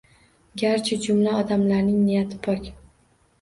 Garchi jumla odamlarning niyati pok